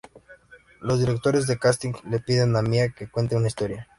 Los directores de casting le piden a Mia que cuente una historia.